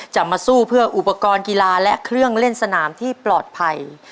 จะมาสู้เพื่ออุปกรณ์กีฬาและเครื่องเล่นสนามที่ปลอดภัย